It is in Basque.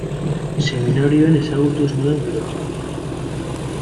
Seminarioan ezagutu ez nuen giroa.